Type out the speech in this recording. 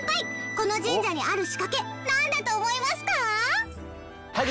この神社にある仕掛けなんだと思いますか？